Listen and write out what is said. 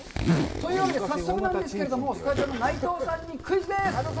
というわけで、早速なんですけれども、スタジオの内藤さんにクイズです！